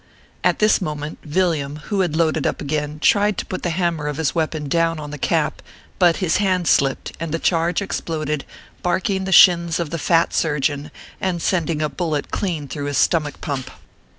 At this moment, Villiam, who had loaded up again, tried to put the hammer of his weapon down on the cap ; but his hand slipped, and the charge exploded, barking the shins of the fat surgeon, and sending a bullet clean through his stomach pump.